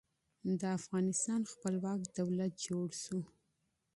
د افغانستان خپلواک دولت جوړ شو.